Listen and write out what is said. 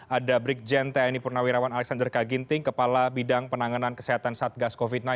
ada brikjen tni purnawirawan alexander kaginting kepala bidang penanganan kesehatan satgas covid sembilan belas